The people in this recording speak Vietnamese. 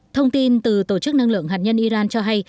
thông tin từ tổ chức năng lượng hạt nhân iran cho hay